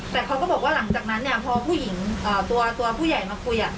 แต่เขาก็บอกว่าหลังจากนั้นเนี่ยพอผู้หญิงตัวผู้ใหญ่มาคุย